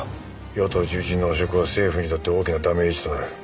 与党重鎮の汚職は政府にとって大きなダメージとなる。